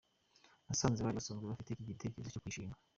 Nasanze bari basanzwe bafite iki gitekerezo cyo kuyishinga.